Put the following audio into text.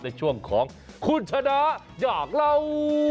ในช่วงของคุณชนะอยากเล่า